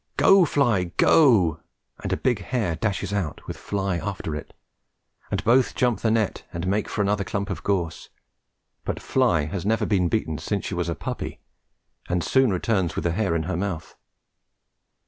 "Go, Fly, go!" and a big hare dashes out, with Fly after it, and both jump the net and make for another clump of gorse; but Fly has never been beaten since she was a puppy, and soon returns with the hare in her mouth.